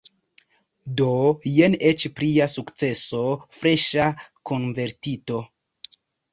Do jen eĉ plia sukceso – freŝa konvertito!